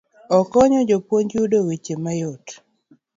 Okonyo jopuonj yudo weche mayot.